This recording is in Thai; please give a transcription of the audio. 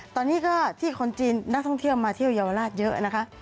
ตอนนี้ก็ที่คนจีนนักท่องเที่ยวมาเที่ยวเยาวราชเยอะนะคะ